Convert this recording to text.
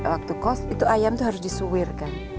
waktu kos itu ayam itu harus disuwir kan